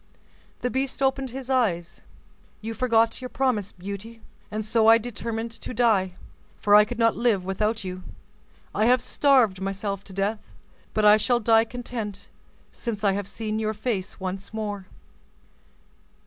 The beast opened his eyes. "You forgot your promise, Beauty, and so I determined to die; for I could not live without you. I have starved myself to death, but I shall die content since I have seen your face once more."